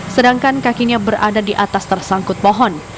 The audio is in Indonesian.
sedangkan kakinya berada di atas tersangkut pohon